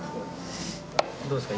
どうですか？